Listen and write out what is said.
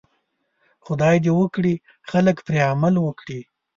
خدای دې وکړي خلک پرې عمل وکړي.